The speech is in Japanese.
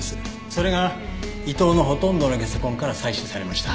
それが伊藤のほとんどのゲソ痕から採取されました。